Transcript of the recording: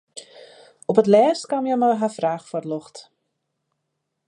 Op 't lêst kaam hja mei har fraach foar it ljocht.